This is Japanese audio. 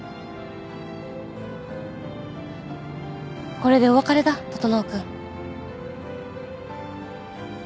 これでお別れだ整君。